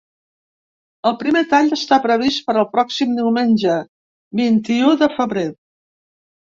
El primer tall està previst per al pròxim diumenge vint-i-u de febrer.